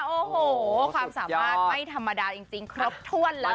โอ้โหความสามารถไม่ธรรมดาจริงครบถ้วนแล้ว